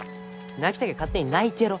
泣きたきゃ勝手に泣いてろ。